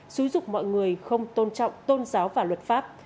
xúi dục mọi người không tôn trọng tôn giáo và luật pháp